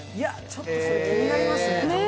ちょっとそれ気になりますね。